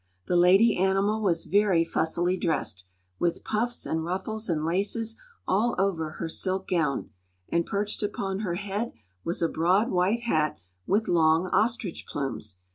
The lady animal was very fussily dressed, with puffs and ruffles and laces all over her silk gown, and perched upon her head was a broad white hat with long ostrich plumes.